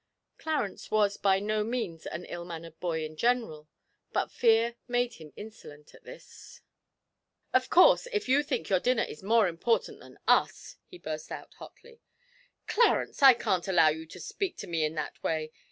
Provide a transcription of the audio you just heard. Clarence was by no means an ill mannered boy in general, but fear made him insolent at this. 'Of course, if you think your dinner is more important than us!' he burst out hotly. 'Clarence, I can't allow you to speak to me in that way.